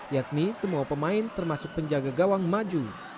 yakni semua pemain termasuk penjaga gawang maju